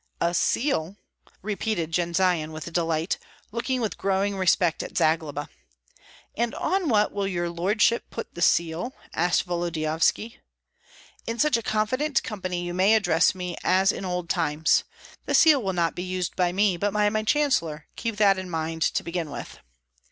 "A seal?" repeated Jendzian, with delight, looking with growing respect at Zagloba. "And on what will your lordship put the seal?" asked Volodyovski. "In such a confidential company you may address me as in old times. The seal will not be used by me, but by my chancellor, keep that in mind, to begin with!"